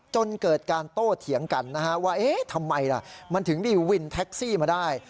จนเกิดการโตเถียงกันว่าทำไมมันถึงได้วินแท็กซี่มาได้